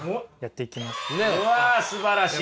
うわすばらしい。